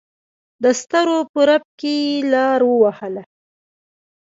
دسترو په رپ کې یې لار ووهله.